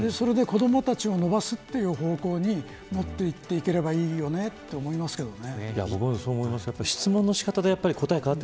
それで子どもたちを伸ばすという方向にもっていければいいよねと思いますけどね。